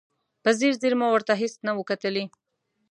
په ځیر ځیر مو ورته هېڅ نه و کتلي.